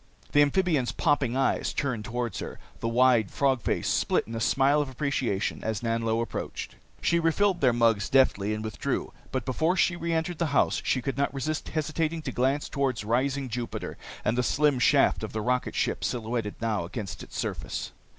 The amphibian's popping eyes turned toward her, the wide frog face split in a smile of appreciation as Nanlo approached. She refilled their mugs deftly and withdrew. But before she reentered the house she could not resist hesitating to glance toward rising Jupiter and the slim shaft of the rocketship silhouetted now against its surface.